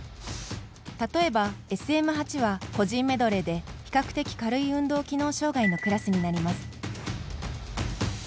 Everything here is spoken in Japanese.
例えば、ＳＭ８は個人メドレーで比較的軽い運動機能障がいのクラスになります。